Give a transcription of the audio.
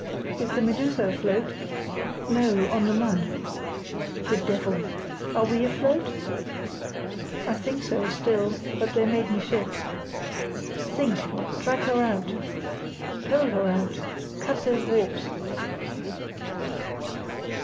"Is the Medusa afloat?" "No, on the mud." "The devil! Are we afloat?" "I think so still, but they made me shift." "Think! Track her out! Pole her out! Cut those warps!"